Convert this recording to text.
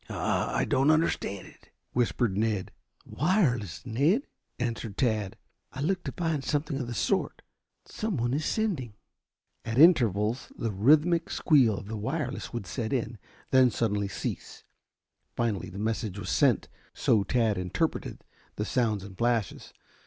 "I I don't understand it," whispered Ned. "Wireless, Ned," answered Tad. "I looked to find something of the sort. Someone is sending." At intervals the rhythmic squeal of the wireless would set in, then suddenly cease. Finally the message was sent, so Tad interpreted the sounds and flashes.